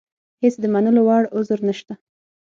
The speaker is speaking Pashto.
هېڅ د منلو وړ عذر نشته.